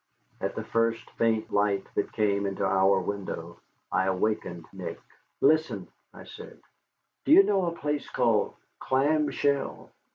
At the first faint light that came into our window I awakened Nick. "Listen," I said; "do you know a place called Clam Shell?"